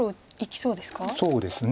そうですね。